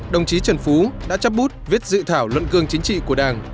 đồng chí trần phú đã chấp bút viết dự thảo luận cương chính trị của đảng